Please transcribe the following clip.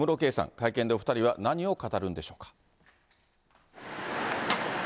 会見でお２人は何を語るんでしょうか。